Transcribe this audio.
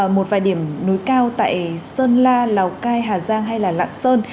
một vài điểm núi cao tại sơn la lào cai hà giang hay là lạc sơn